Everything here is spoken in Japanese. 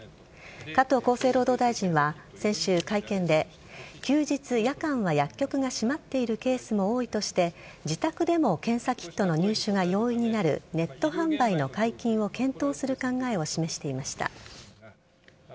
加藤厚生労働大臣は先週、会見で休日、夜間は薬局が閉まっているケースも多いとして自宅でも検査キットの入手が容易になるネット販売の解禁を検討する考えを示していました。